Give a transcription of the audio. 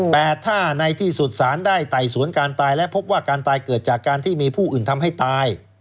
แต่ถ้าในที่สุดสารได้ไต่สวนการตายและพบว่าการตายเกิดจากการที่มีผู้อื่นทำให้ตาย